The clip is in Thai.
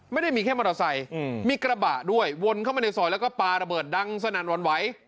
ไม่ได้มีแค่มอเตอร์ไซค์มีกระบะด้วยวนเข้ามาในซอยแล้วก็ปลาระเบิดดังสนั่นหวั่นไหว